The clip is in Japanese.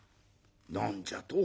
「何じゃと？